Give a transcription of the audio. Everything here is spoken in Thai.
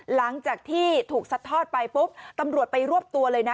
หลังจากที่ถูกซัดทอดไปปุ๊บตำรวจไปรวบตัวเลยนะ